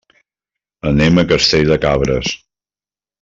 Anem a Castell de Cabres.